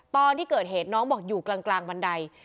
ตอนที่เกิดเหตุน้องบอกอยู่กลางบันได